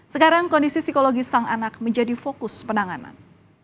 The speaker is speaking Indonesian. sekarang kondisi psikologis sang anak menjadi fokus penanganan